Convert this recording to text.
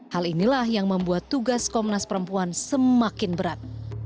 hal inilah yang membuat tugas komnas perempuan semakin berat